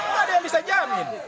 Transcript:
nggak ada yang bisa jamin